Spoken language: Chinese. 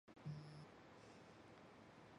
完颜亮使习拈的丈夫稍喝押护卫直宿。